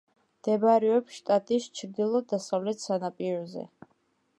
მდებარეობს შტატის ჩრდილო-დასავლეთ სანაპიროზე.